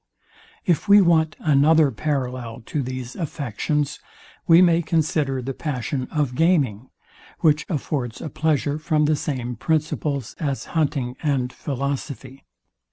If we want another parallel to these affections, we may consider the passion of gaming, which affords a pleasure from the same principles as hunting and philosophy.